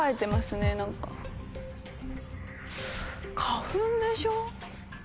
花粉でしょ？